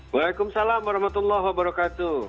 waalaikumsalam warahmatullahi wabarakatuh